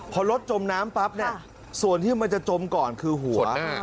พอรถจมน้ำปั๊บเนี่ยส่วนที่มันจะจมก่อนคือหัว